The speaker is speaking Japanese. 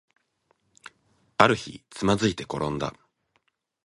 ある日、つまずいてころんだ